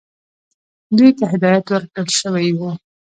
دوی ته هدایت ورکړل شوی وو.